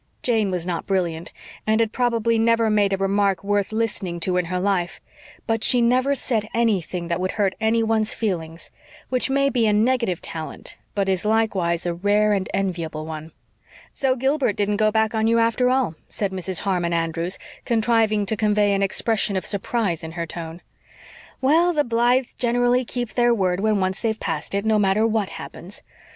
Jane was not brilliant, and had probably never made a remark worth listening to in her life; but she never said anything that would hurt anyone's feelings which may be a negative talent but is likewise a rare and enviable one. "So Gilbert didn't go back on you after all," said Mrs. Harmon Andrews, contriving to convey an expression of surprise in her tone. "Well, the Blythes generally keep their word when they've once passed it, no matter what happens.